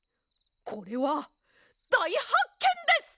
これはだいはっけんです！